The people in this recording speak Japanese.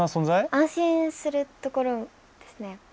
安心するところですね。